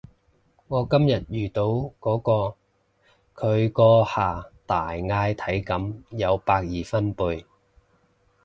我今日遇到嗰個，佢嗰下大嗌體感有百二分貝